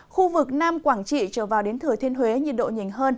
khu vực nam quảng trị trở vào đến thừa thiên huế nhiệt độ nhìn hơn